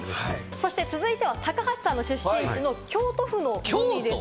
そして続いては高橋さんの出身地の京都府のグミです。